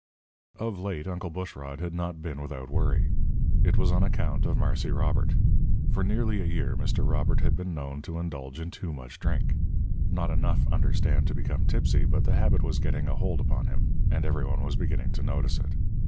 Of late Uncle Bushrod had not been without worry. It was on account of Marse Robert. For nearly a year Mr. Robert had been known to indulge in too much drink. Not enough, understand, to become tipsy, but the habit was getting a hold upon him, and every one was beginning to notice it.